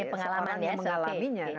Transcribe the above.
pengalaman ya seorang yang mengalaminya